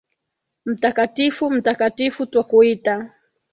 Mtakatifu, mtakatifu twakuita